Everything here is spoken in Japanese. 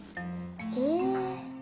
へえ。